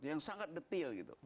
yang sangat detail gitu